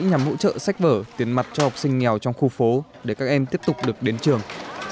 nhằm hỗ trợ sách vở tiền mặt cho học sinh nghèo trong khu phố để các em tiếp tục được đến trường